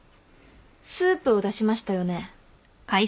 スープを出しましたよね。